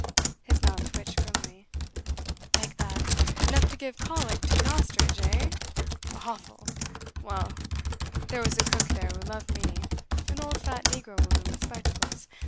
His mouth twitched grimly. "Like that enough to give colic to an ostrich, eh? Awful. Well, there was a cook there who loved me an old fat, Negro woman with spectacles.